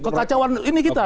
kekacauan ini kita